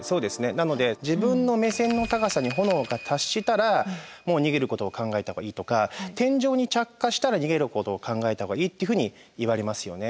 なので自分の目線の高さに炎が達したらもう逃げることを考えた方がいいとか天井に着火したら逃げることを考えた方がいいっていうふうにいわれますよね。